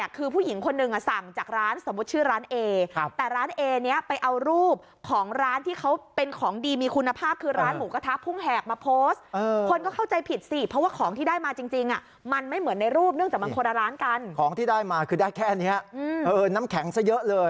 คุณเล่าจำได้ใช่ไหมราคา๒๙๙บาทเมื่อวานที่เล่าไป